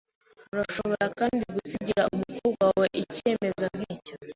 Urashobora kandi gusigira umukobwa wawe icyemezo nkicyo.